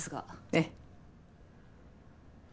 ええ。